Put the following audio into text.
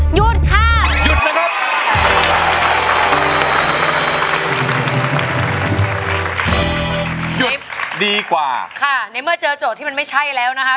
หยุดดีกว่าค่ะในเมื่อเจอโจทย์ที่มันไม่ใช่แล้วนะฮะ